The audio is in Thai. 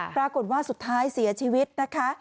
ปรากฏว่าสุดท้ายเสียชีวิตนะคะ